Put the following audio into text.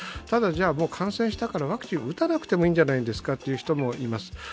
ただもう感染したからワクチンを打たなくてもいいんじゃないかという人もいます。